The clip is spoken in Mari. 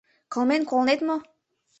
— Кылмен колынет мо?